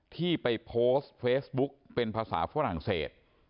ที่ไปโพสต์เฟซบุ๊กเป็นภาษาฝรั่งเศส